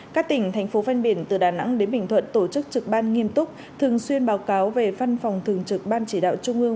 các tỉnh thành phố ven biển từ đà nẵng đến bình thuận tổ chức trực ban nghiêm túc thường xuyên báo cáo về văn phòng thường trực ban chỉ đạo trung ương